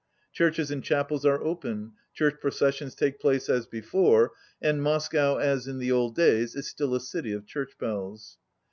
Churches and chapels are open, church processions take place as before, and Moscow, as in the old days, is still a city of church bells.